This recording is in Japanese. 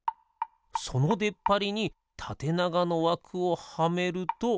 そのでっぱりにたてながのわくをはめると。